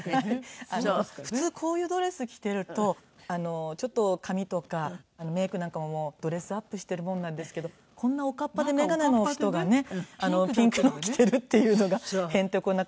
普通こういうドレス着ているとちょっと髪とかメイクなんかもドレスアップしているもんなんですけどこんなおかっぱで眼鏡の人がねピンクの着ているっていうのが。